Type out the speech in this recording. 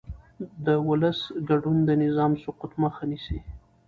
د ولس ګډون د نظام سقوط مخه نیسي